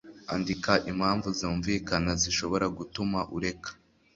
andika impamvu zumvikana zishobora gutuma ureka